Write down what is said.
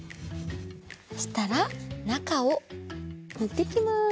そしたらなかをぬっていきます！